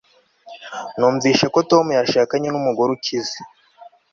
numvise ko tom yashakanye numugore ukize